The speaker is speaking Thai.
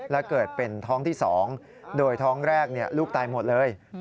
และเกิดเป็นท้องที่๒โดยท้องแรกลูกตายหมดเลย